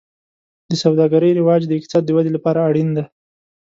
د سوداګرۍ رواج د اقتصاد د ودې لپاره اړین دی.